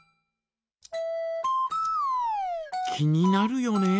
気になるよね。